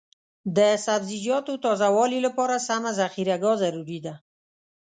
د سبزیجاتو تازه والي لپاره سمه ذخیره ګاه ضروري ده.